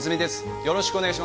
よろしくお願いします！